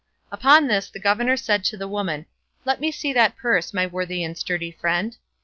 Upon this the governor said to the woman, "Let me see that purse, my worthy and sturdy friend."